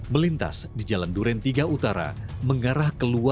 melintas di jalan duren tiga utara satu